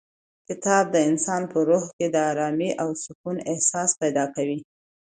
کتاب د انسان په روح کې د ارامۍ او سکون احساس پیدا کوي.